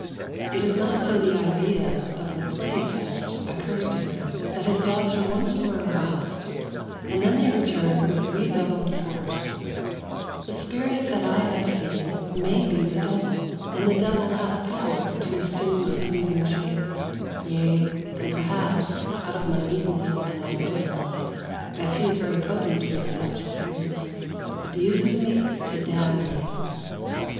It is not until the idea of the play test occurs to him that his doubts are once more aroused; and then they return with redoubled force: "The spirit that I have seen May be the devil: and the devil hath power To assume a pleasing shape; yea, and, perhaps, Out of my weakness and my melancholy, (As he is very potent with such spirits,) Abuses me to damn me."